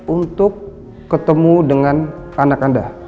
untuk ketemu dengan anak anda